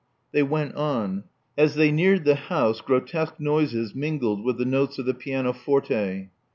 They went on. As they neared the house, grotesque noises mingled with the notes of the pianoforte.